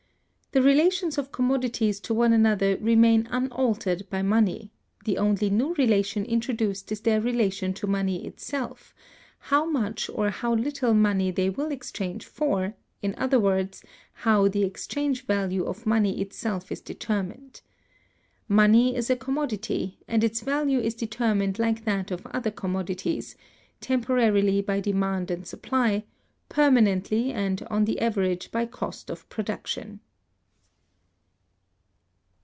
The relations of commodities to one another remain unaltered by money; the only new relation introduced is their relation to money itself; how much or how little money they will exchange for; in other words, how the Exchange Value of money itself is determined. Money is a commodity, and its value is determined like that of other commodities, temporarily by demand and supply, permanently and on the average by cost of production.